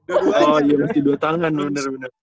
oh iya masih dua tangan benar benar